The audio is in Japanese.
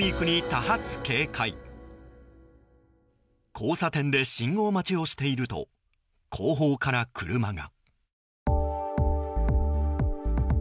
交差点で信号待ちをしていると後方から車が。